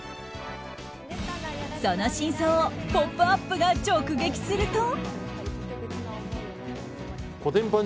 その真相を「ポップＵＰ！」が直撃すると。